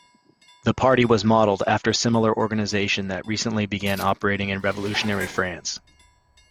The Party was modeled after similar organization that recently began operating in revolutionary France.